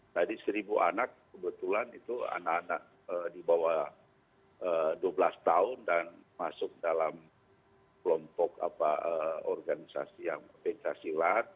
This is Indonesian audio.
tadi seribu anak kebetulan itu anak anak dibawa dua belas tahun dan masuk dalam kelompok organisasi yang pensiasilat